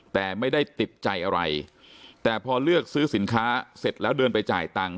แต่ไม่ได้ติดใจอะไรแต่พอเลือกซื้อสินค้าเสร็จแล้วเดินไปจ่ายตัง